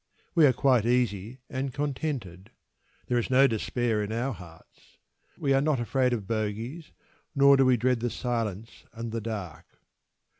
We are quite easy and contented. There is no despair in our hearts. We are not afraid of bogeys, nor do we dread the silence and the dark.